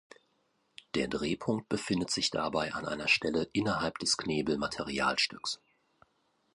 Der Drehpunkt befindet sich dabei an einer Stelle innerhalb des Knebel-Materialstücks.